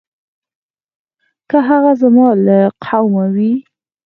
که هغه زما له قومه وي.